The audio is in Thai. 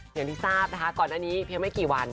อย่างที่ทราบนะคะก่อนอันนี้เพียงไม่กี่วัน